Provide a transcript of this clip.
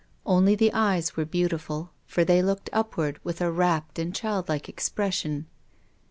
Only the eyes were beau tiful, for they looked upward with a rapt and childlike expression.